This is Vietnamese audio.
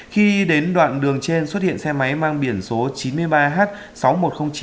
khi đến đoạn đường trên xuất hiện xe máy mang biển số chín mươi ba h sáu nghìn một trăm linh chín